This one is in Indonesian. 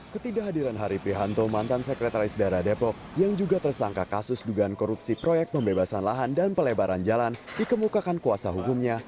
ketidakhadiran hari prihanto mantan sekretaris daerah depok yang juga tersangka kasus dugaan korupsi proyek pembebasan lahan dan pelebaran jalan dikemukakan kuasa hukumnya